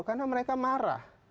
karena mereka marah